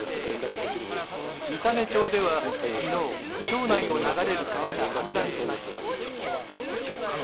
三種町では、昨日町内を流れる川が氾濫しました。